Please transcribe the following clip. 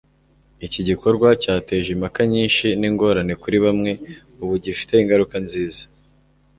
iki gikorwa cyateje impaka nyinshi n'ingorane kuri bamwe ubu gifite ingaruka nziza.